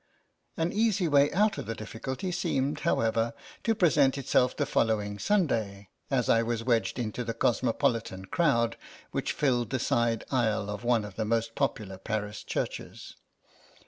An easy way out of the difficulty seemed, however, to present itself the following JO THE SOUL OF LAPLOSHKA Sunday, as I was wedged into the cosmopolitan crowd which filled the side aisle of one of the most popular Paris churches.